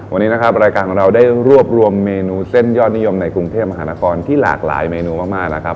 วันนี้นะครับรายการของเราได้รวบรวมเมนูเส้นยอดนิยมในกรุงเทพมหานครที่หลากหลายเมนูมากนะครับ